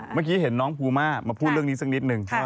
เมื่อกี้เห็นน้องภูมามาพูดเรื่องนี้สักนิดนึง